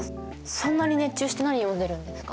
そんなに熱中して何読んでるんですか？